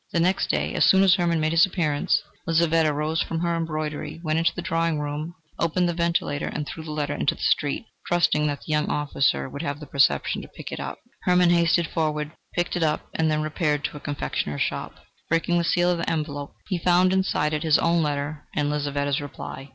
The next day, as soon as Hermann made his appearance, Lizaveta rose from her embroidery, went into the drawing room, opened the ventilator and threw the letter into the street, trusting that the young officer would have the perception to pick it up. Hermann hastened forward, picked it up and then repaired to a confectioner's shop. Breaking the seal of the envelope, he found inside it his own letter and Lizaveta's reply.